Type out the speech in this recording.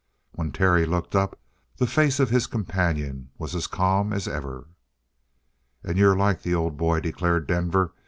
When Terry looked up, the face of his companion was as calm as ever. "And you're like the old boy," declared Denver.